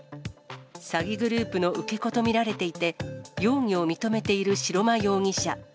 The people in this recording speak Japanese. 詐欺グループの受け子と見られていて、容疑を認めている白間容疑者。